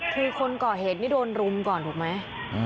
คือคนก่อเหตุนี่โดนรุมก่อนถูกไหม